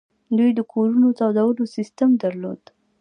دوی د کورونو د تودولو سیستم درلود